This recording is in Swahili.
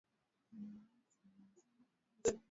hutoweka wakati maumivu yametibiwa kikamilifu